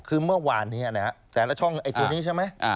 คือเมื่อวานนี้แต่ละช่องไอ้ตัวนี้ใช่ไหม